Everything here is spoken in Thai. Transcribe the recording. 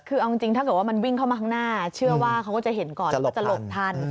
คือเอาจริงถ้าเกิดว่ามันวิ่งเข้ามาข้างหน้าเชื่อว่าเขาก็จะเห็นก่อนแล้วก็จะหลบทัน